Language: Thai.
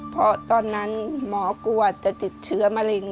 เพราะตอนนั้นหมอกลัวจะติดเชื้อมะเร็ง